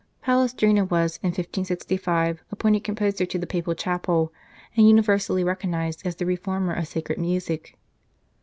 Palestrina was in 1565 appointed composer to the Papal chapel, and universally recognized as the reformer of sacred music.